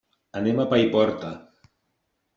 Anem a Paiporta.